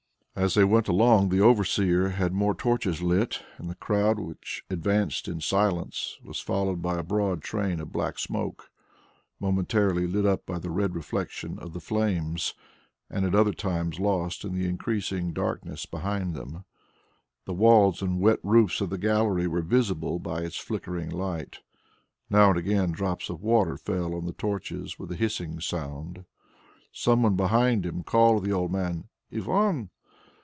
As they went along the overseer had some more torches lit, and the crowd, which advanced in silence, was followed by a broad train of black smoke, momentarily lit up by the red reflection of the flame, and at other times lost in the increasing darkness behind them. The walls and wet roofs of the gallery were visible by its flickering light. Now and again drops of water fell on the torches with a hissing sound. Some one behind him called to the old man, "Ivan!"